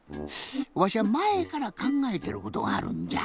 わしゃまえからかんがえてることがあるんじゃ。